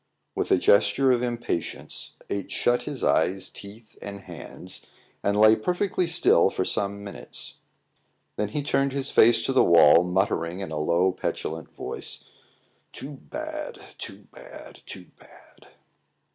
With a gesture of impatience, H shut his eyes, teeth, and hands, and lay perfectly still for some minutes. Then he turned his face to the wall, muttering in a low, petulant voice "Too bad! too bad! too bad!"